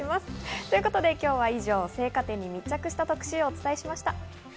ということで今日は以上、生花店に密着した特集をお伝えしました。